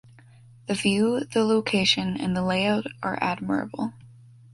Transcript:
The view, the location and the lay-out are admirable.